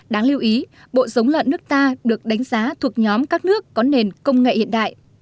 đáng lưu ý bộ giống lợn nước ta được đánh giá thuộc nhóm các nước có nền công nghệ hiện đại